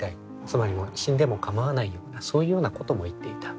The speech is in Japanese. つまり死んでも構わないようなそういうようなことも言っていた。